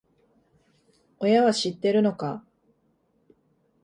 親は知ってるのか？